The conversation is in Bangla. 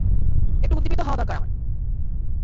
একটু উদ্দীপিত হওয়া দরকার আমার।